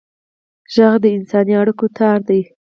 غږ د انساني اړیکو تار دی